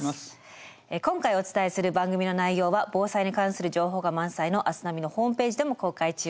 今回お伝えする番組の内容は防災に関する情報が満載の「明日ナビ」のホームページでも公開中です。